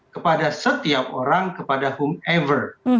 kepada setiap orang kepada whomever